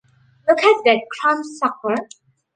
Look at that crumbsucker!